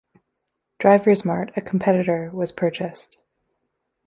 Drivers' Mart, a competitor, was purchased.